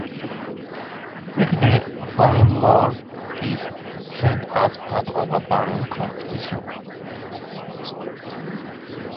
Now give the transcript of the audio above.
Frequently balloon mail is sent as part of a balloon competition.